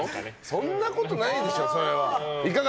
そんなことないでしょ。